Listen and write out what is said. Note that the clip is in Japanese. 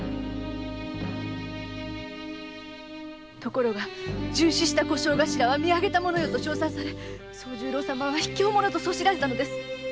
ところが殉死した小姓頭は見あげた者よと称賛され惣十郎様は卑怯者とそしられたのです。